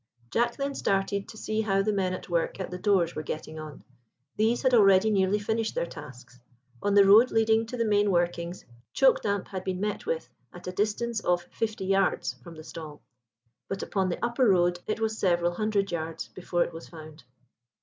Jack then started to see how the men at work at the doors were getting on. These had already nearly finished their tasks. On the road leading to the main workings choke damp had been met with at a distance of fifty yards from the stall; but upon the upper road it was several hundred yards before it was found.